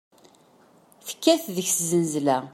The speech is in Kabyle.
Tekkat deg-s zznezla.